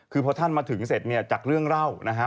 คือพอท่านมาถึงเสร็จเนี่ยจากเรื่องเล่านะฮะ